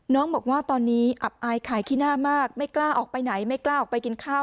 น้องบอกว่าตอนนี้อับอายขายขี้หน้ามากไม่กล้าออกไปไหนไม่กล้าออกไปกินข้าว